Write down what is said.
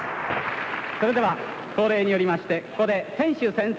それでは恒例によりましてここで選手宣誓。